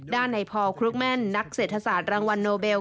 ด้านในพอคลุกแม่นนักเศรษฐศาสตร์รางวัลโนเบล